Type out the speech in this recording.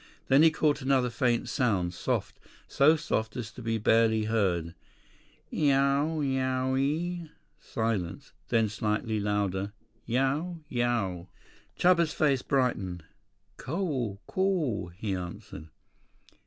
Then he caught another faint sound, soft, so soft as to be barely heard. "Eeeee owieeeee." Silence. Then, slightly louder, "Yow ... Yow." Chuba's face brightened. "Caww ... caww," he answered.